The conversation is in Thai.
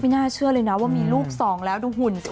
น่าเชื่อเลยนะว่ามีลูกสองแล้วดูหุ่นสิ